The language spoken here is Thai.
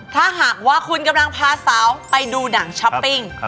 ถ้าหากว่าคุณกำลังพาสาวไปดูหนังช้อปปิ้ง